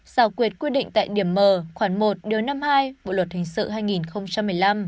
xào quyệt quy định tại điểm mờ khoảng một năm mươi hai bộ luật hình sự hai nghìn một mươi năm